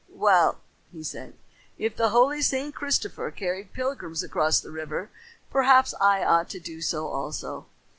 "Well," he said, "if the holy St. Christopher carried pilgrims across the river, perhaps I ought to do so also.